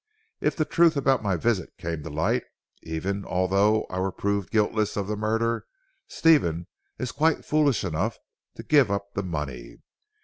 If the truth about my visit came to light, even although I were proved guiltless of the murder, Stephen is quite foolish enough to give up the money.